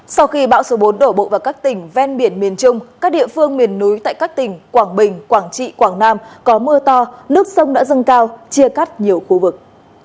sau khi bão số bốn đổ bộ vào các tỉnh ven biển miền trung các địa phương miền núi tại các tỉnh quảng bình quảng trị quảng nam có mưa to nước sông đã dâng cao chia cắt nhiều khu vực